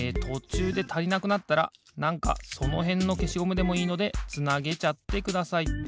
とちゅうでたりなくなったらなんかそのへんのけしゴムでもいいのでつなげちゃってください。